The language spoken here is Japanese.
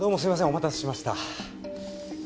お待たせしました。